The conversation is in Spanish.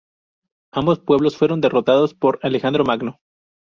Ambos pueblos fueron derrotados por Alejandro Magno.